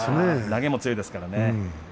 投げも強いですね。